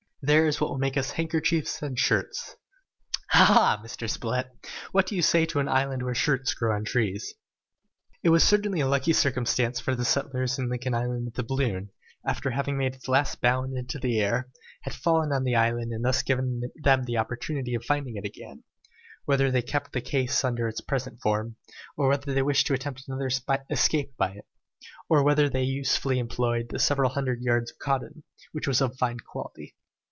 There is what will make us handkerchiefs and shirts! Ha, ha, Mr Spilett, what do you say to an island where shirts grow on the trees?" It was certainly a lucky circumstance for the settlers in Lincoln Island that the balloon, after having made its last bound into the air, had fallen on the island and thus given them the opportunity of finding it again, whether they kept the case under its present form, or whether they wished to attempt another escape by it, or whether they usefully employed the several hundred yards of cotton, which was of fine quality.